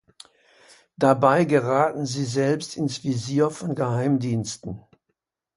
Dabei geraten sie selbst ins Visier von Geheimdiensten.